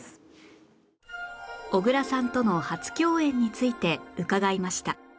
小倉さんとの初共演について伺いました